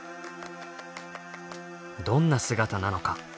どんな姿なのか？